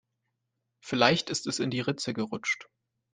Vielleicht ist es in die Ritze gerutscht.